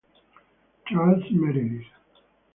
Charles Meredith